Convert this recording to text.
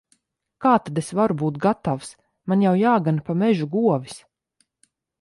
Kā tad es varu būt gatavs! Man jau jāgana pa mežu govis.